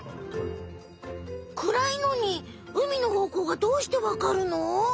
暗いのに海の方向がどうしてわかるの？